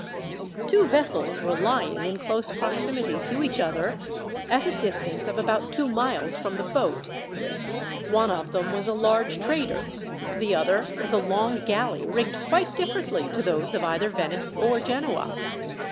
Two vessels were lying in close proximity to each other, at a distance of about two miles from the boat. One of them was a large trader, the other was a long galley rigged quite differently to those of either Venice or Genoa.